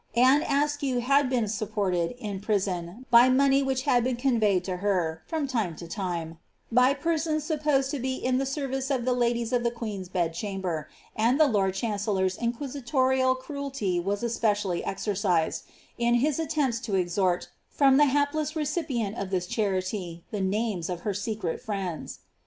Anne Askew had been supported, in prison, by money which had been conveyed to her, from time to time, by persons supposed to be in the service of the ladies of the queen's bedchamber ; and the lord chan cellor's inquisitorial cruelty was especially exercised, in his attempts to extort, from the hapless recipient of this charity, the names of her secret friends.